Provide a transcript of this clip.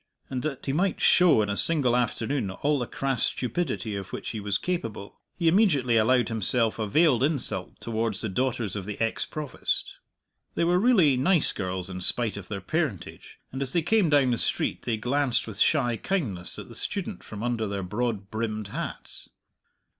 And, that he might show in a single afternoon all the crass stupidity of which he was capable, he immediately allowed himself a veiled insult towards the daughters of the ex Provost. They were really nice girls, in spite of their parentage, and as they came down the street they glanced with shy kindness at the student from under their broad brimmed hats.